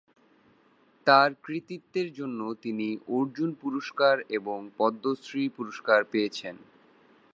তার কৃতিত্বের জন্য তিনি অর্জুন পুরষ্কার এবং পদ্মশ্রী পুরষ্কার পেয়েছেন।